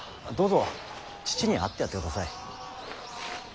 どうぞ父に会ってやってください。